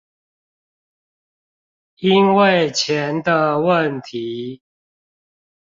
因為錢的問題